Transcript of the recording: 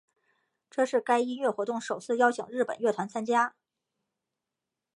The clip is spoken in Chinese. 这是该音乐活动首次邀请日本乐团参加。